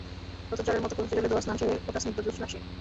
নতুন চরের মতো পবিত্র জলে ধোয়া, স্নান সেরে ওঠা স্নিগ্ধ জ্যোৎস্না সে।